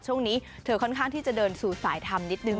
ช่วงนี้เธอค่อนข้างที่จะเดินสู่สายธรรมนิดนึง